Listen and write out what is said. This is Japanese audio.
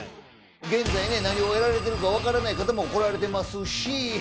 現在ね何をやられてるかわからない方も来られてますし。